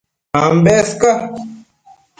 Ambes ca